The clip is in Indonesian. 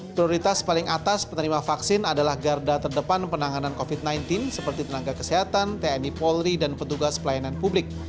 prioritas paling atas penerima vaksin adalah garda terdepan penanganan covid sembilan belas seperti tenaga kesehatan tni polri dan petugas pelayanan publik